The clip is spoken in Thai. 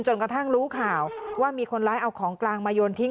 กระทั่งรู้ข่าวว่ามีคนร้ายเอาของกลางมาโยนทิ้ง